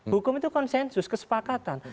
hukum itu konsensus kesepakatan